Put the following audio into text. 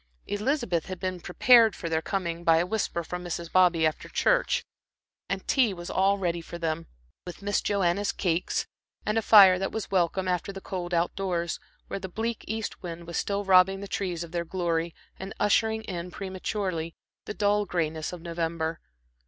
Elizabeth had been prepared for their coming, by a whisper from Mrs. Bobby after church; and tea was all ready for them with Miss Joanna's cakes, and a fire that was welcome after the cold out doors, where the bleak east wind was still robbing the trees of their glory and ushering in prematurely the dull grayness of November.